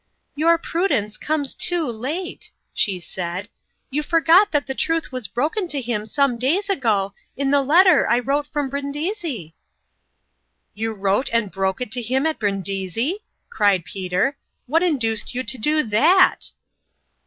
" Your prudence comes too late," she said. " You forget that the truth was broken to him some days ago, in the letter I wrote from Brin disi." " You wrote and broke it to him at Brin disi !" cried Peter. " What induced you to do that?"